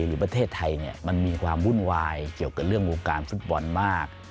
หรือประเทศไทยมันมีความวุ่นวายเกี่ยวกับเรื่องวงการฟุตบอลมาก